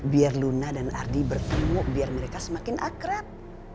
biar luna dan ardi bertemu biar mereka semakin akrab